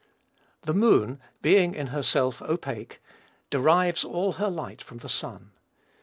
The moon, being in herself opaque, derives all her light from the sun.